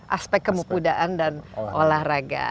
aspek kemukudaan dan olahraga